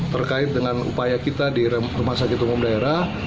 terkait dengan upaya kita di rumah sakit umum daerah